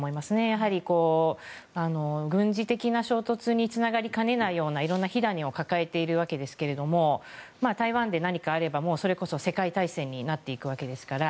やはり、軍事的な衝突につながりかねないようないろんな火種を抱えているわけですけれども台湾で何かあればもうそれこそ、世界大戦になっていくわけですから。